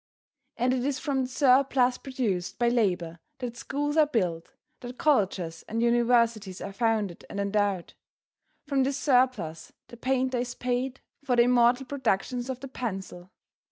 And it is from the surplus produced by labor that schools are built, that colleges and universities are founded and endowed. From this surplus the painter is paid for the immortal productions of the pencil.